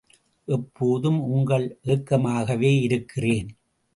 எப்போதும் உங்கள் ஏக்கமாகவே இருக்கிறேன்.